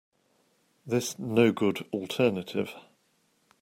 This no good alternative.